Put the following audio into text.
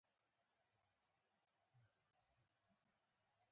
برهان الدين د صلاح الدین زوي او د محمدنبي زامن دي.